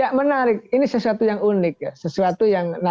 oke baik kang ujang